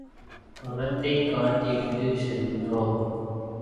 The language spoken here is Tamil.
பணத்தைக் கட்டி விட்டுச் சென்றோம்.